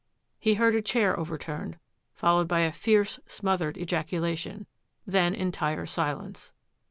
He heard a chair overturned, followed by a fierce, smothered ejaculation; then entire silence.